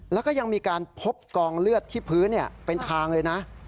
แล้วก็ยังมีการพบกองเลือดที่พื้นเป็นทางเลยนะ